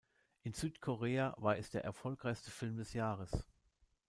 In Südkorea war es der erfolgreichste Film des Jahres.